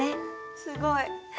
すごい。